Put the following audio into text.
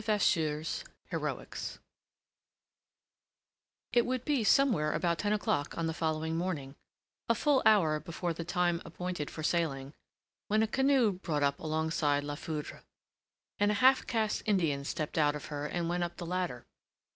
LEVASSEUR'S HEROICS It would be somewhere about ten o'clock on the following morning, a full hour before the time appointed for sailing, when a canoe brought up alongside La Foudre, and a half caste Indian stepped out of her and went up the ladder.